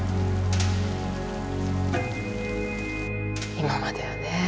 今まではね